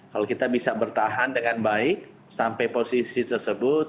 kalau kita bisa bertahan dengan baik sampai posisi tersebut